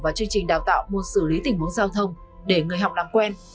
vào chương trình đào tạo mua xử lý tình huống giao thông để người học nắm quen